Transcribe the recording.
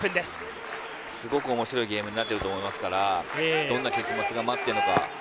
すごく面白いゲームになってると思いますから、どんな結末が待ってるのか？